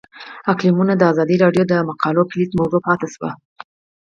اقلیتونه د ازادي راډیو د مقالو کلیدي موضوع پاتې شوی.